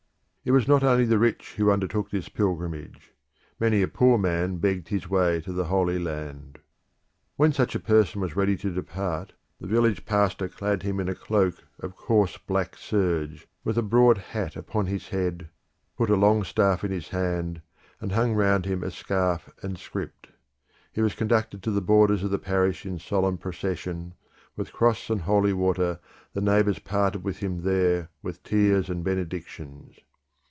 It was not only the rich who undertook this pilgrimage; many a poor man begged his way to the Holy Land. When such a person was ready to depart, the village pastor clad him in a cloak of coarse black serge, with a broad hat upon his head, put a long staff in his hand, and hung round him a scarf and script. He was conducted to the borders of the parish in solemn procession, with cross and holy water the neighbours parted from him there with tears and benedictions.